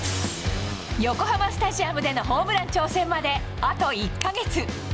横浜スタジアムでのホームラン挑戦まであと１か月。